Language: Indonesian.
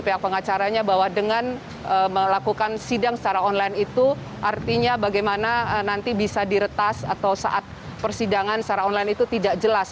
pihak pengacaranya bahwa dengan melakukan sidang secara online itu artinya bagaimana nanti bisa diretas atau saat persidangan secara online itu tidak jelas